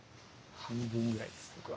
半分ぐらいです僕は。